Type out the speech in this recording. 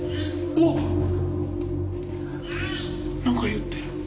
何か言ってる。